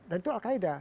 dan itu al qaeda